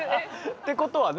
ってことはね。